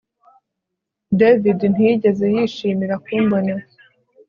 David ntiyigeze yishimira kumbona